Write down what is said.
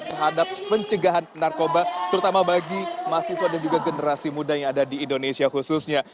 terhadap pencegahan narkoba terutama bagi mahasiswa dan juga generasi muda yang ada di indonesia khususnya